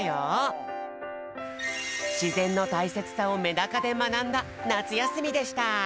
しぜんのたいせつさをメダカでまなんだなつやすみでした！